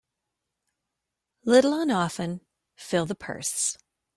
Little and often fill the purse.